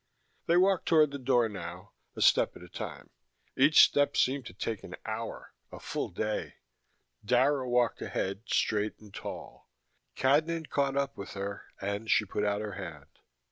They walked toward the door now, a step at a time. Each step seemed to take an hour, a full day. Dara walked ahead, straight and tall: Cadnan caught up with her, and she put out her hand.